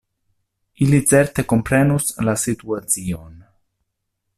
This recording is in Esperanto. Ili certe komprenus la situacion.